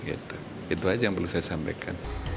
itu aja yang perlu saya sampaikan